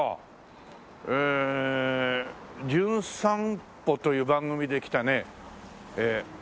えー『じゅん散歩』という番組で来たねえー